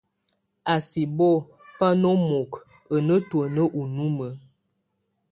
Ba sɛk bo bá nomok a nétuen ɔ númue.